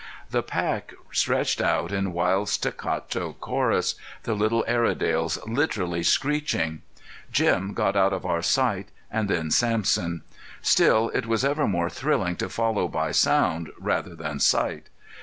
The pack stretched out in wild staccato chorus, the little Airedales literally screeching. Jim got out of our sight and then Sampson. Still it was ever more thrilling to follow by sound rather than sight.